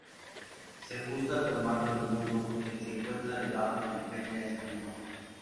Se ajusta tomando el nudo que se encuentra debajo del frente hacia arriba.